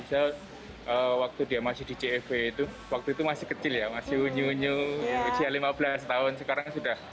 saya waktu dia masih di cfw itu waktu itu masih kecil ya masih nyunyu usia lima belas tahun sekarang sudah